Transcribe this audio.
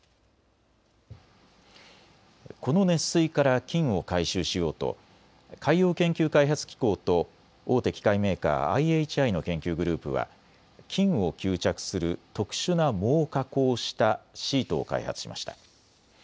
この熱水から金を回収しようと海洋研究開発機構と大手機械メーカー、ＩＨＩの研究グループは金を吸着する特殊な藻を加工したシートを開発しました。